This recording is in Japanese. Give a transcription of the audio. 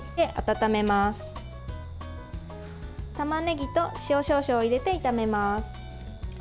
たまねぎと塩を少々入れて炒めます。